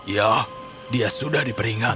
ya dia sudah diperingatkan